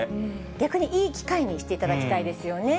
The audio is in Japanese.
逆にいい機会にしていただきたいですよね。